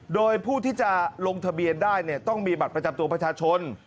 โดยผู้ที่จะลงทะเบียนได้ต้องมีบัตรประจำตัวประชาชน